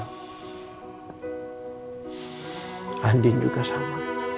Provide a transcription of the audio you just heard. andin juga sama